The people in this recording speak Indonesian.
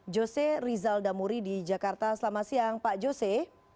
jose rizal damuri di jakarta selamat siang pak jose